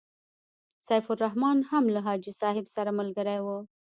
سیف الرحمن هم له حاجي صاحب سره ملګری وو.